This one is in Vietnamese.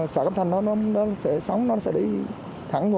sọ cậm thanh nó sẽ sống nó sẽ đi thẳng vô